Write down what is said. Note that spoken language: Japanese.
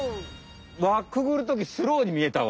輪くぐるときスローに見えたわ。